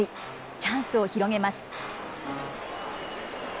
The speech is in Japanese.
チャンスを広げます。